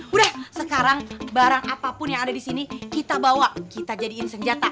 udah sekarang barang apapun yang ada di sini kita bawa kita jadiin senjata